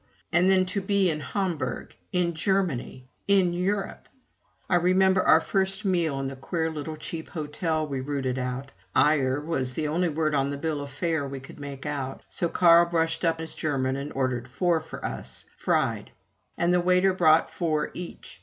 And then to be in Hamburg in Germany in Europe! I remember our first meal in the queer little cheap hotel we rooted out. "Eier" was the only word on the bill of fare we could make out, so Carl brushed up his German and ordered four for us, fried. And the waiter brought four each.